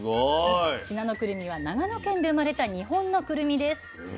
信濃くるみは長野県で生まれた日本のくるみです。